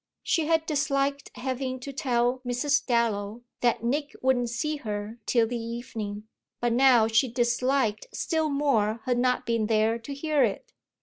She had disliked having to tell Mrs. Dallow that Nick wouldn't see her till the evening, but now she disliked still more her not being there to hear it.